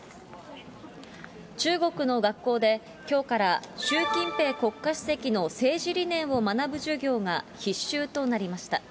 中国の学校で、きょうから、習近平国家主席の政治理念を学ぶ授業が必修となりました。